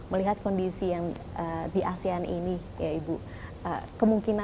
melihat kondisi yang di asean ini